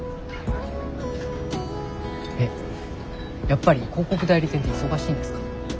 やっぱり広告代理店って忙しいんですか？